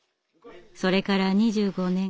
それから２５年。